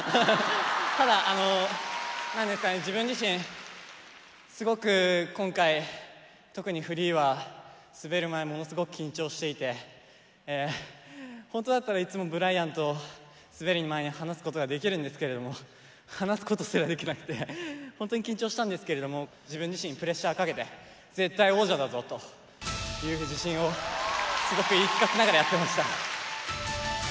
ただ自分自身すごく今回特にフリーは滑る前ものすごく緊張していて本当だったらいつもブライアンと滑る前に話すことができるんですけれども話すことすらできなくて本当に緊張したんですけれども自分自身にプレッシャーかけて絶対王者だぞという自信をすごく言い聞かせながらやってました。